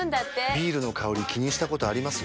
ビールの香り気にしたことあります？